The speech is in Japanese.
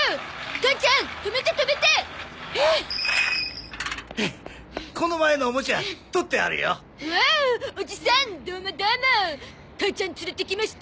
母ちゃん連れてきました。